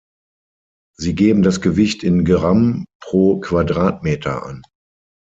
Sie geben das Gewicht in Gramm pro Quadratmeter an.